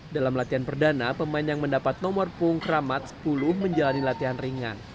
dalam latihan perdana pemain yang mendapat nomor punggung keramat sepuluh menjalani latihan ringan